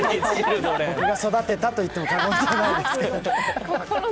僕が育てたと言っても過言じゃないですから。